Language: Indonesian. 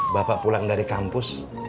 bapak pulang dari kampus